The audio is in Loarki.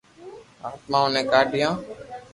آتمائون ني ڪا ِڍیون